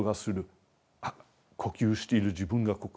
あっ呼吸している自分がここに座っている。